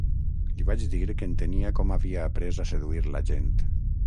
Li vaig dir que entenia com havia aprés a seduir la gent.